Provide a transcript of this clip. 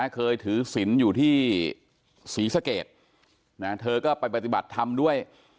เคยถือศิลป์อยู่ที่ศรีสะเกดเธอก็ไปปฏิบัติธรรมด้วย